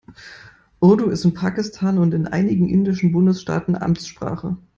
Urdu ist in Pakistan und einigen indischen Bundesstaaten Amtssprache.